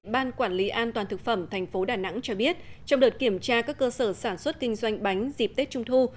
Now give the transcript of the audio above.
ban quản lý an toàn thực phẩm tp đà nẵng cho biết trong đợt kiểm tra các cơ sở sản xuất kinh doanh bánh dịp tết trung thu